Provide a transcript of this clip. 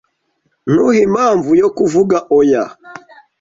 Ntuhe impamvu yo kuvuga oya.